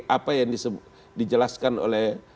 apa yang dijelaskan oleh